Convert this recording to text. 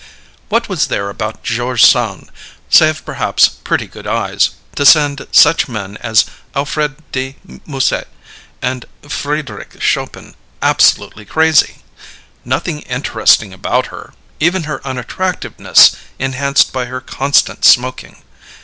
What was there about George Sand, save perhaps pretty good eyes, to send such men as Alfred de Musset and Friedrich Chopin absolutely crazy? Nothing interesting about her even her unattractiveness enhanced by her constant smoking.